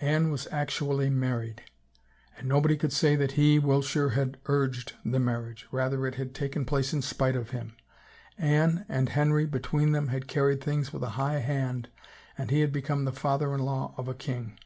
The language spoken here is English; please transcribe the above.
Anne was actually married! And nobody could say that he, Wiltshire, had urged the marriage, rather it had taken place in spite of him. Anne and Henry between them had carried things with a high hand and he had become the father in law of a king.